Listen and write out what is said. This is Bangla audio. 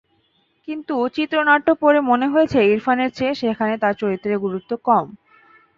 কিন্তু চিত্রনাট্য পড়ে মনে হয়েছে ইরফানের চেয়ে সেখানে তাঁর চরিত্রের গুরুত্ব কম।